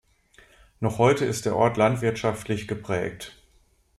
Noch heute ist der Ort landwirtschaftlich geprägt.